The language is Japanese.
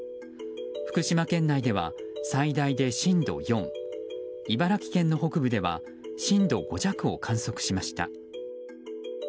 福島県内では最大で震度４茨城県の北部では震度５弱を観測しました。